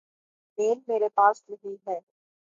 میل میرے پاس نہیں ہے۔۔